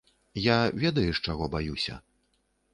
Я, ведаеш, чаго баюся?